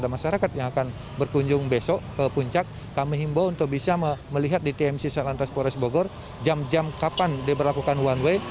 masyarakat yang akan berkunjung besok ke puncak kami himbau untuk bisa melihat di tmc salantas polres bogor jam jam kapan diberlakukan one way